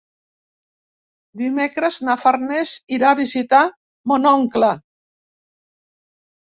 Dimecres na Farners irà a visitar mon oncle.